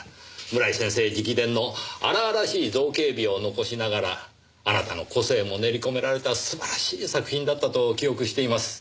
村井先生直伝の荒々しい造形美を残しながらあなたの個性も練り込められた素晴らしい作品だったと記憶しています。